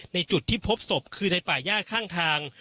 ในจุดที่พบศพคือในป่าย่าข้างทาง